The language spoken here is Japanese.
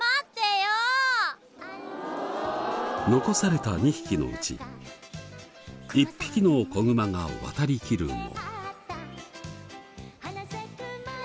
残された２匹のうち１匹の子グマが渡りきる。